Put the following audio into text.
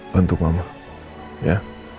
bantu mama ya